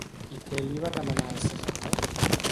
I què li va demanar al sacerdot?